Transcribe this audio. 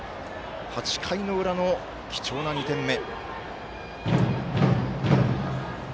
８回の裏の貴重な２点目。